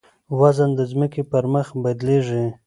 وزن د ځمکې پر مخ بدلېږي.